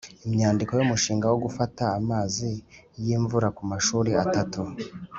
Inyandiko y umushinga wo gufata amazi y imvura ku mashuri atatu